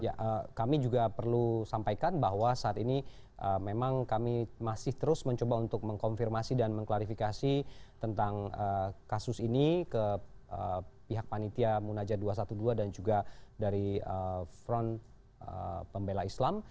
ya kami juga perlu sampaikan bahwa saat ini memang kami masih terus mencoba untuk mengkonfirmasi dan mengklarifikasi tentang kasus ini ke pihak panitia munaja dua ratus dua belas dan juga dari front pembela islam